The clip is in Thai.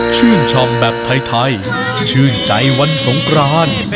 ชื่นชมแบบไทยชื่นใจวันสงคราน